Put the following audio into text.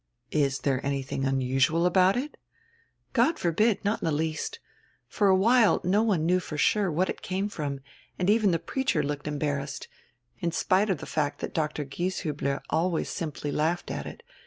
"Is diere anything unusual about it?" "God forbid, not in die least. For a while no one knew for sure what it came from, and even die preacher looked embarrassed, in spite of die fact diat Dr. Gieshiibler always simply laughed at it.